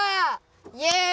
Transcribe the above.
イエイ！